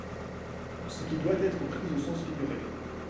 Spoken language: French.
Ce qui doit être pris au sens figuré.